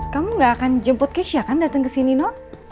kamu gak akan jemput keisha kan datang kesini no